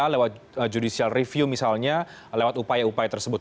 lewat judicial review misalnya lewat upaya upaya tersebut